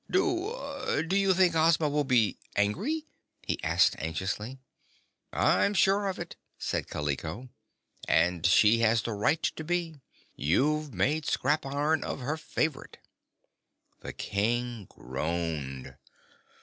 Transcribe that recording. "Do do you think Ozma will be angry?" he asked anxiously. "I'm sure of it," said Kaliko. "And she has the right to be. You've made scrap iron of her favorite." The King groaned.